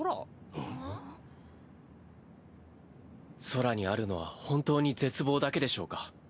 空にあるのは本当に絶望だけでしょうか？